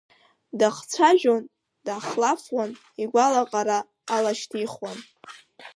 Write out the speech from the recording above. Дахцәажәон, дахлафуан, игәалаҟара алашьҭихуан.